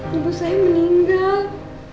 ibu saya meninggal